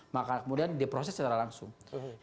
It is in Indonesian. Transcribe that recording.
maka kemudian diproses secara langsung